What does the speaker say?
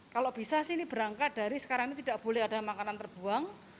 kalau bisa sih ini berangkat dari sekarang ini tidak boleh ada makanan terbuang